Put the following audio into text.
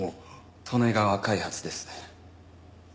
利根川開発です。